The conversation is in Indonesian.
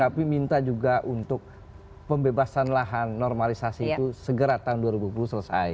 tapi minta juga untuk pembebasan lahan normalisasi itu segera tahun dua ribu dua puluh selesai